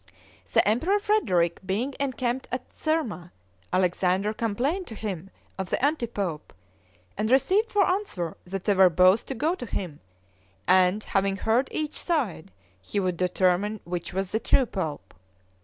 The Emperor Frederick, being encamped at Cerma, Alexander complained to him of the anti pope, and received for answer, that they were both to go to him, and, having heard each side, he would determine which was the true pope.